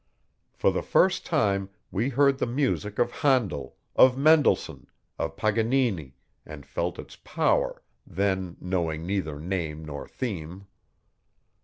For the first time we heard the music of Handel, of Mendelssohn, of Paganini, and felt its power, then knowing neither name nor theme.